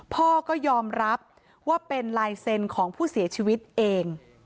พ่อก็ยอมรับว่าเป็นลายเซ็นต์ของผู้เสียชีวิตเอง